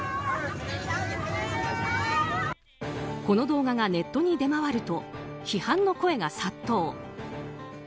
この動画がネットに出回ると批判の声が殺到。